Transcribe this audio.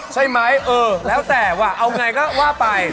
ใช่ไหมเออแล้วแต่ว่าเอาไงก็ว่าไป